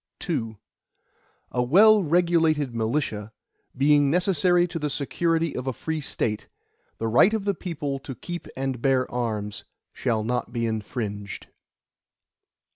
II A well regulated militia, being necessary to the security of a free State, the right of the people to keep and bear arms, shall not be infringed.